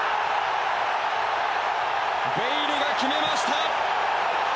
ベイルが決めました！